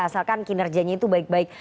asalkan kinerjanya itu baik baik